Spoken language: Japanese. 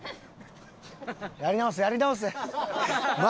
やり直せやり直せ！